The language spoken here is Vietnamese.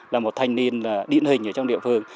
là một thanh niên điện hình ở trong địa phương